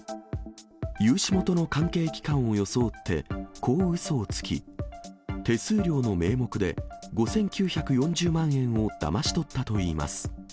融資元の関係機関を装って、こううそをつき、手数料の名目で５９４０万円をだまし取ったといいます。